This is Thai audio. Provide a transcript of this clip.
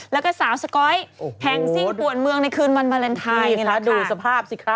แล้วก็สาวสก๊อยแห่งซิ่งป่วนเมืองในคืนวันวาเลนไทยนี่แหละดูสภาพสิคะ